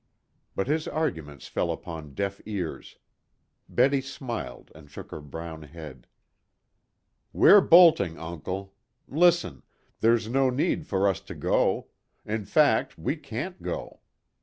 But his arguments fell upon deaf ears. Betty smiled and shook her brown head. "We're bolting, uncle. Listen. There's no need for us to go. In fact, we can't go.